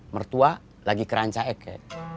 mertua lagi keranca eke